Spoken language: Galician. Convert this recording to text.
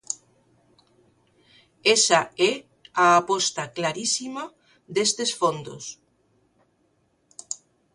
Esa é a aposta clarísima destes fondos.